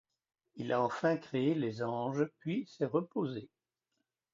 Il a enfin créé les anges, puis s'est reposé.